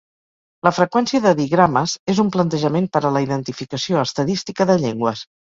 La freqüència de digrames és un plantejament per a la identificació estadística de llengües.